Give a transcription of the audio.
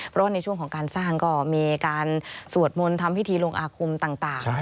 เพราะว่าในช่วงของการสร้างก็มีการสวดมนต์ทำพิธีลงอาคมต่าง